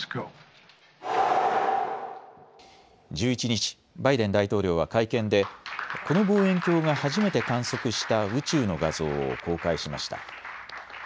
１１日、バイデン大統領は会見でこの望遠鏡が初めて観測した宇宙の画像を公開しました。